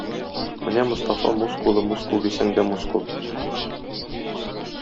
Менә Мостафа мускулы мускул дисәң дә мускул.